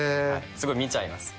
すごい見ちゃいます。